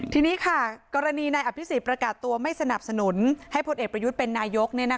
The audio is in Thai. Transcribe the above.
ทีนี้ค่ะกรณีนายอภิษฎประกาศตัวไม่สนับสนุนให้พลเอกประยุทธ์เป็นนายก